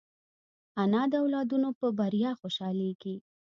انا د اولادونو په بریا خوشحالېږي